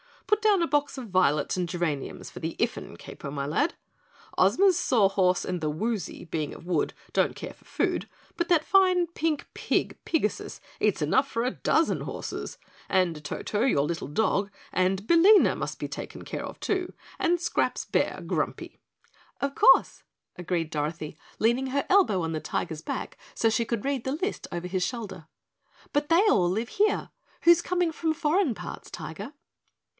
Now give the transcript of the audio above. Put down a box of violets and geraniums for the Iffin, Kapo, my lad. Ozma's Saw Horse and the Woozy being of wood don't care for food, but that fine pink pig Pigasus eats enough for a dozen horses, and Toto, your little dog, and Billina must be taken care of too, and Scrap's bear, Grumpy." "Of course," agreed Dorothy, leaning her elbow on the Tiger's back so she could read the list over his shoulder. "But they all live here. Who's coming from foreign parts, Tiger?"